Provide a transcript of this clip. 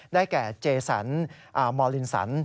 แก่เจสันมอลินสัน